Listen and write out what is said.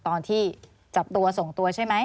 ตอนที่จับตัวส่งตัวใช่ไหม